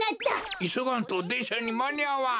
いそがんとでんしゃにまにあわん。